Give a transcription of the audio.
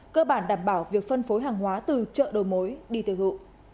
cơ bản đảm bảo việc phân phối hàng hóa từ chợ đầu mối đi tới gụ